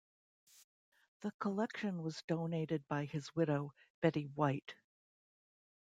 The collection was donated by his widow, Betty White.